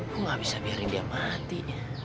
kok gak bisa biarin dia mati